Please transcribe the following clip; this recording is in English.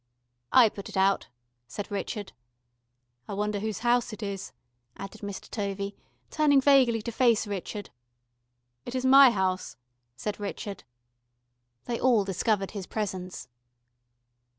"I put it out," said Richard. "I wonder whose house it is?" added Mr. Tovey, turning vaguely to face Richard. "It is my house," said Richard. They all discovered his presence.